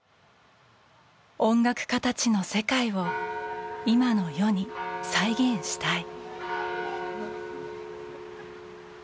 音楽家たちの世界を今の世に再現したい。